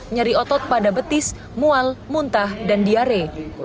nyeri otot pada betis mual muntah dan diare